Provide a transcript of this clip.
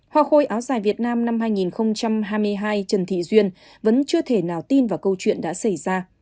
hoa khôi áo dài việt nam năm hai nghìn hai mươi hai trần thị duyên vẫn chưa thể nào tin vào câu chuyện đã xảy ra